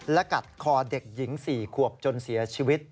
และกัดคอเด็กหญิง๔ขวบจนเสียชีวิต